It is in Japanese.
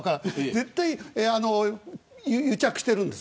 絶対に癒着してるんです。